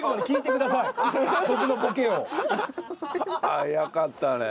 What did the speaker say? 早かったね。